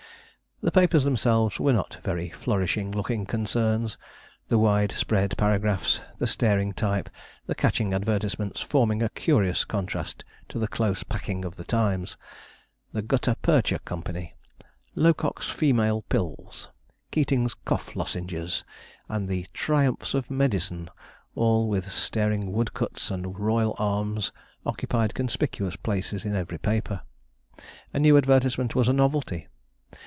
The papers themselves were not very flourishing looking concerns, the wide spread paragraphs, the staring type, the catching advertisements, forming a curious contrast to the close packing of The Times. The 'Gutta Percha Company,' 'Locock's Female Pills,' 'Keating's Cough Lozenges,' and the 'Triumphs of Medicine,' all with staring woodcuts and royal arms, occupied conspicuous places in every paper. A new advertisement was a novelty.